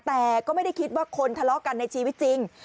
แต่ก็ไม่ได้คิดว่าคนทะเลาะกันในชีวิตจริง